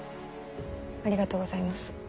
ありがとうございます。